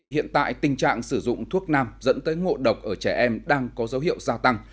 hiện tại tình trạng sử dụng thuốc nam dẫn tới ngộ độc ở trẻ em đang có dấu hiệu gia tăng